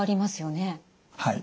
はい。